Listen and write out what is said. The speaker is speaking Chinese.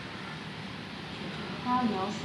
光绪十一年任山西学政。